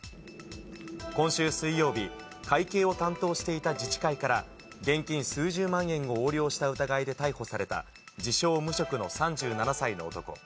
今週水曜日、会計を担当していた自治会から、現金数十万円を横領した疑いで逮捕された自称無職の３７歳の男。